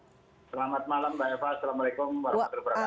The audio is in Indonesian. selamat malam mbak eva assalamualaikum warahmatullahi wabarakatuh